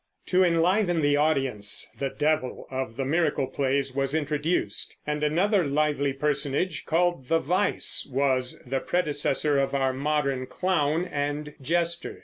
To enliven the audience the devil of the Miracle plays was introduced; and another lively personage called the Vice was the predecessor of our modern clown and jester.